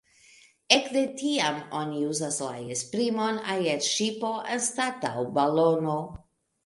Ekde tiam oni uzis la esprimon aerŝipo anstataŭ balono.